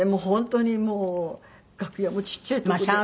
本当にもう楽屋もちっちゃい所で。